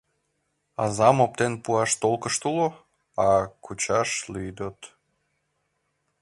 Азам оптен пуаш толкышт уло, а кучаш лӱдыт...